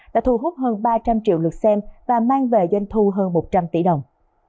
đã thu hút hơn ba trăm linh triệu lượt xem và mang về doanh thu hơn một trăm linh tỷ đồng